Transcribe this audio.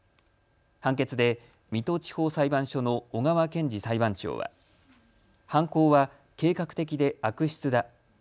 判決で水戸地方裁判所の小川賢司裁判長は犯行は計画的で悪質だ。